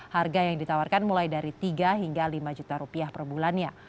harga yang ditawarkan mulai dari tiga hingga lima juta rupiah per bulannya